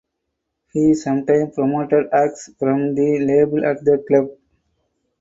He sometimes promoted acts from the label at the club.